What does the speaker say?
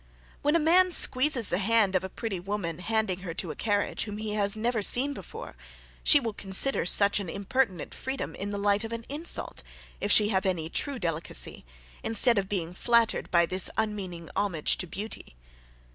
When a man squeezes the hand of a pretty woman, handing her to a carriage, whom he has never seen before, she will consider such an impertinent freedom in the light of an insult, if she have any true delicacy, instead of being flattered by this unmeaning homage to beauty.